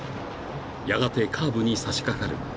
［やがてカーブに差し掛かる］